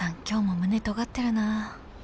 今日も胸とがってるな